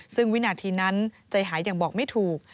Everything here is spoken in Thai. ซึ่งวินาทีนั้นใจหายยังบอกไม่ถูก